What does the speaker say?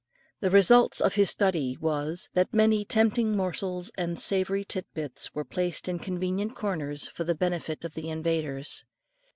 The result of his study was, that many tempting morsels and savoury tit bits were placed in convenient corners, for the benefit of the invaders.